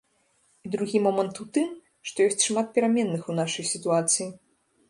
І другі момант у тым, што ёсць шмат пераменных у нашай сітуацыі.